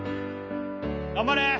頑張れ！